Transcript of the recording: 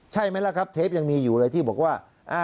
ใช่ไหมล่ะครับเทปยังมีอยู่เลยที่บอกว่า